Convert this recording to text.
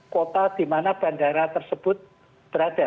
kota di mana bandara tersebut berada